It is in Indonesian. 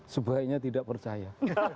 sebaiknya tidak percaya